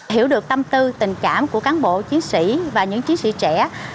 hiểu được tâm tư tình cảm của cán bộ chiến sĩ và những chiến sĩ trẻ